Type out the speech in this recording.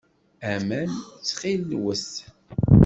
Aman, ttxil-wet.